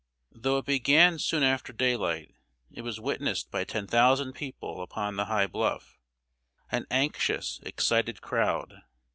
Though it began soon after daylight, it was witnessed by ten thousand people upon the high bluff an anxious, excited crowd.